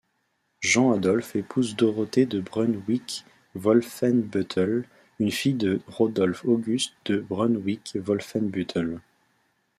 Jean Adolphe épouse Dorothée de Brunswick-Wolfenbüttel, une fille de Rodolphe-Auguste de Brunswick-Wolfenbüttel.